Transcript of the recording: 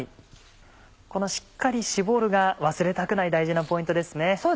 このしっかり絞るが忘れたくない大事なポイントですね。